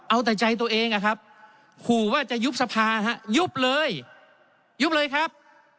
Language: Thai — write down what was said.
เอาแต่ใจตัวเองอะครับขู่ว่าจะยุบสภาฮะยุบเลยยุบเลยครับ